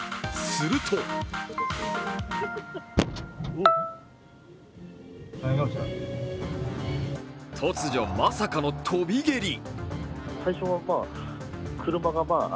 すると突如、まさかの飛び蹴り。